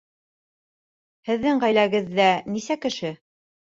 Һеҙҙең ғаиләгеҙҙә нисә кеше?